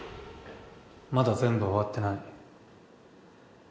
まだ全部終わってない。